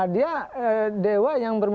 dia dewa yang bermimpi